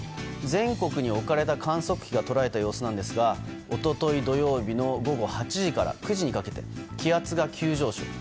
全国に置かれた観測機が捉えた様子ですが一昨日土曜日の午後８時から９時にかけて気圧が急上昇。